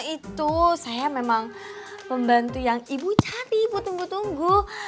itu saya memang membantu yang ibu cari ibu tunggu tunggu